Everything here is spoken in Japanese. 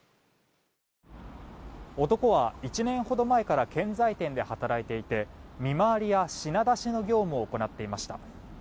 男は１年ほど前から建材店で働いていて見回りや品出しの業務を行っていました。